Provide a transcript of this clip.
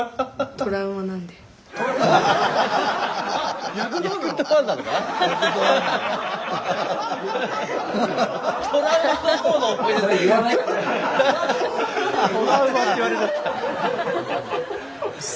トラウマって言われちゃった。